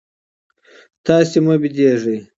تاسي مه بېدېږئ.